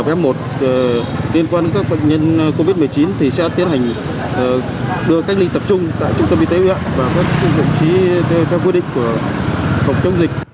và phòng chống dịch